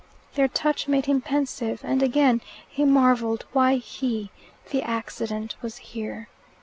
Their touch made him pensive, and again he marvelled why he, the accident, was here.